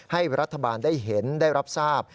ให้รัฐบาลได้เห็นได้รับทราบ